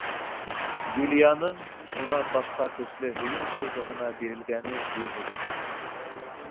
Юлияның шунан башҡа көслө һөйөү тойғоһона бирелгәне юҡ ине.